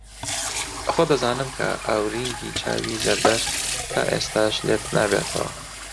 خۆ دەزانم کە ئاورینگی چاوی زەردەشت تا ئێستاش لێت نابێتەوە